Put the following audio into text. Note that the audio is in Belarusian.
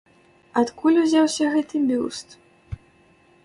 Адкуль узяўся гэты бюст?